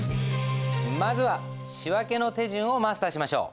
まずは仕訳の手順をマスターしましょう。